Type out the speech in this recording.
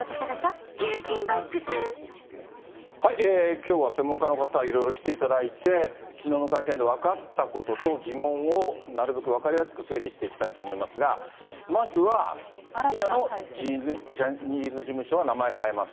きょうは専門家の方、いろいろ来ていただいて、きのうの会見で分かったことと疑問をなるべく分かりやすく整理していきたいと思いますが、まずは今のジャニーズ事務所は名前変えます。